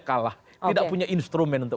kalah tidak punya instrumen untuk